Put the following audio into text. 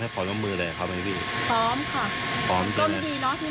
หมอก็ทำแบบนี้สองครั้ง